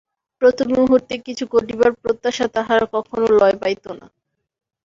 প্রতিমুহূর্তে কিছু ঘটিবার প্রত্যাশা তাহার কখনো লয় পাইত না।